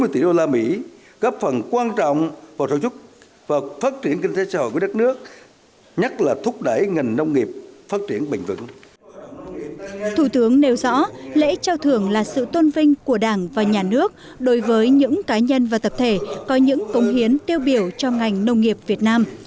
thủ tướng nêu rõ lễ trao thưởng là sự tôn vinh của đảng và nhà nước đối với những cá nhân và tập thể có những công hiến tiêu biểu cho ngành nông nghiệp việt nam